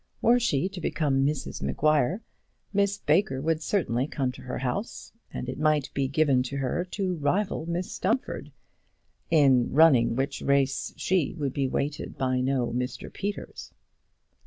Were she to become Mrs Maguire, Miss Baker would certainly come to her house, and it might be given to her to rival Mrs Stumfold in running which race she would be weighted by no Mr Peters.